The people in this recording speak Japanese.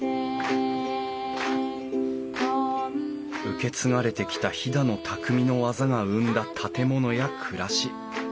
受け継がれてきた飛騨の匠の技が生んだ建物や暮らし。